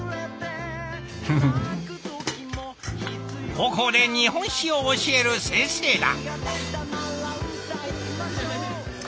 高校で日本史を教える先生だ。